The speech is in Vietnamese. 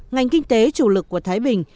ngành kinh tế chủ lực của thái bình